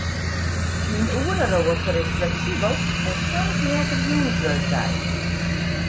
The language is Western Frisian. Myn oereroaster is fleksibel en soms heart der jûnswurk by.